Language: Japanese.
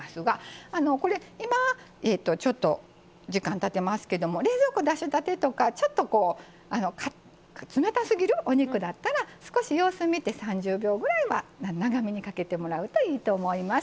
ちょっと時間がたってますけど冷蔵庫出したてとかちょっと冷たすぎるお肉だったら少し様子見て３０秒ぐらい長めにかけていただいてもいいと思います。